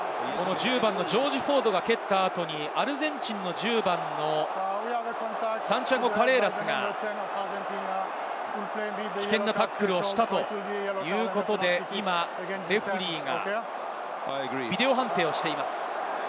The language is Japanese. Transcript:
１０番のジョージ・フォードが蹴った後にアルゼンチン１０番のサンティアゴ・カレーラスが危険なタックルをしたということで、レフェリーがビデオ判定をしています。